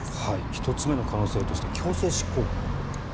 １つ目の可能性として強制執行があると。